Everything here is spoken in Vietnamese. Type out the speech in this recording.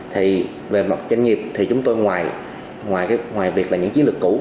thì về mặt doanh nghiệp thì chúng tôi ngoài việc là những chiến lược cũ